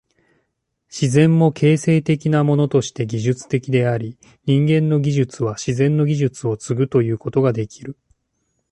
自然も形成的なものとして技術的であり、人間の技術は自然の技術を継ぐということができる。